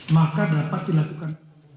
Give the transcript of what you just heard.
maka dapat dilakukan